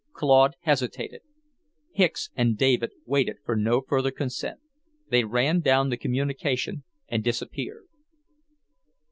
Claude hesitated. Hicks and David waited for no further consent; they ran down the communication and disappeared.